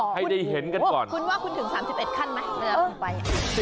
ให้ได้เห็นกันก่อนคุณว่าคุณถึง๓๑ขั้นไหมเวลาคุณไป